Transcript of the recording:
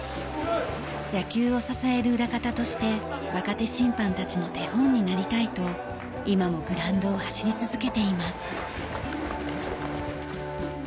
野球を支える裏方として若手審判たちの手本になりたいと今もグラウンドを走り続けています。